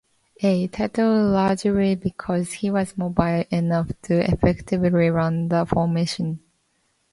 A. Tittle largely because he was mobile enough to effectively run the formation.